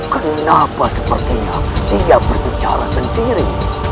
kenapa sepertinya dia berbicara sendiri